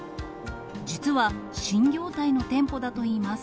実は、新業態の店舗だといいます。